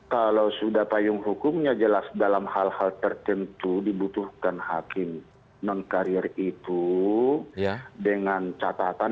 kalau sudah payung hukumnya jelas dalam hal hal tertentu dibutuhkan hakim meng carrier itu dengan catatan